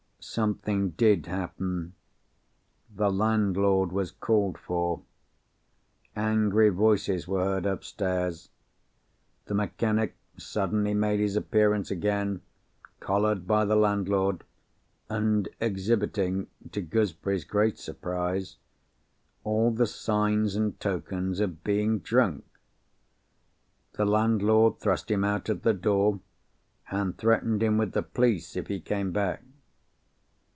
Something did happen. The landlord was called for. Angry voices were heard upstairs. The mechanic suddenly made his appearance again, collared by the landlord, and exhibiting, to Gooseberry's great surprise, all the signs and tokens of being drunk. The landlord thrust him out at the door, and threatened him with the police if he came back.